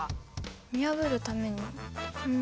見破るためにうん。